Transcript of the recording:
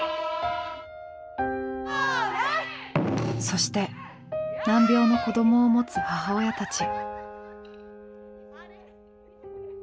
そして難病の子供をもつ母親たち。